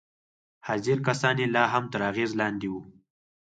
حاضر کسان يې لا هم تر اغېز لاندې وو.